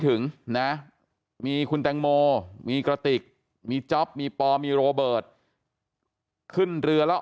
ถึงนะมีคุณแตงโมมีกระติกมีจ๊อปมีปอมีโรเบิร์ตขึ้นเรือแล้ว